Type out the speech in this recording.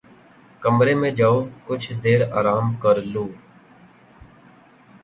کمرے میں جاؤ کچھ دیر آرام کر لوں لو